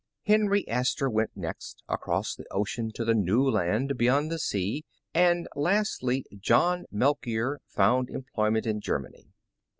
Henry Astor went next, across the ocean to the "New Land" beyond the sea, and lastly John Melchior found employment in Germany.